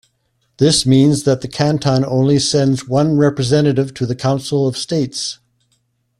This means that the canton only sends one representative to the Council of States.